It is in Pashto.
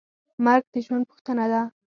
مرګ د ژوند پوښتنه ده.